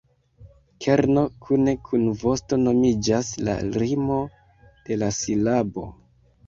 Kerno kune kun vosto nomiĝas la "rimo" de la silabo.